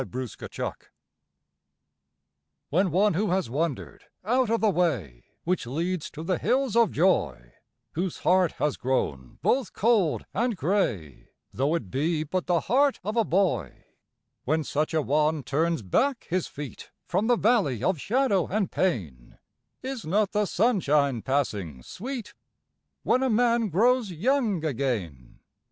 YOUTH RENEWED When one who has wandered out of the way Which leads to the hills of joy, Whose heart has grown both cold and grey, Though it be but the heart of a boy When such a one turns back his feet From the valley of shadow and pain, Is not the sunshine passing sweet, When a man grows young again?